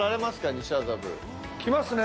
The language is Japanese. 来ますね。